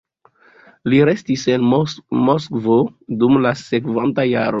Li restis en Moskvo dum la sekvanta jaro.